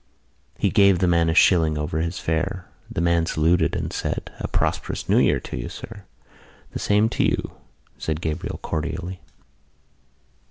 He gave the man a shilling over his fare. The man saluted and said: "A prosperous New Year to you, sir." "The same to you," said Gabriel cordially.